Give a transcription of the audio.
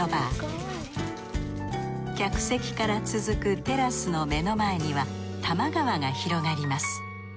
客席から続くテラスの目の前には多摩川が広がります。